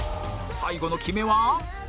最後の決めは？